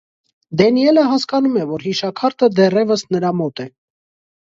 Դենիելը հասկանում է, որ հիշաքարտը դեռևս նրա մոտ է։